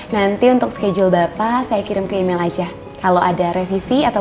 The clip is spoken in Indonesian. nanti untuk schedule bapak saya kirim ke email aja kalau ada revisi atau